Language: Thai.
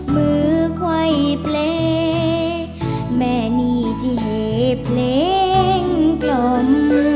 คือไขว้เปลี่ยนแม่นี่จะให้เปลี่ยนกล่อม